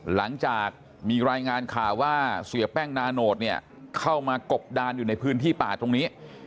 หลังจากมีรายงานข่าวว่าเสียแป้งนาโนตเนี่ยเข้ามากบดานอยู่ในพื้นที่ป่าตรงนี้